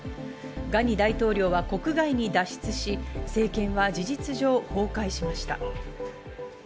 ガニ大統領は国外に脱出し、政権は事実上崩壊しました。